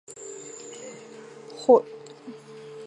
中型运载火箭近地轨道酬载能力的运载火箭。